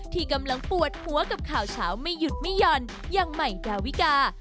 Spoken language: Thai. ที่กำลังปวดหัวกับข่าวเช้าไม่หยุดไม่หย่อนอย่างใหม่ดาวิกา